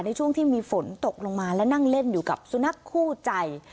ในช่วงที่มีฝนตกลงมาและนั่งเล่นอยู่กับสุนัขคู่ใจ